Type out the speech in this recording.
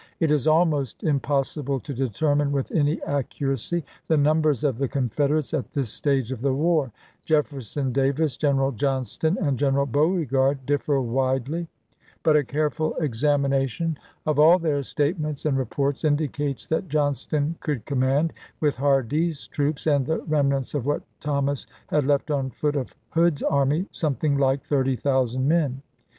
It is almost impossible to determine with any accuracy the numbers of the Confederates at this stage of the war ; Jefferson Davis, General Johnston, and General Beauregard differ widely ; but a careful examination of all their statements and reports indicates that Johnston could com mand, with Hardee's troops and the remnants of what Thomas had left on foot of Hood's army, something like 30,000 men.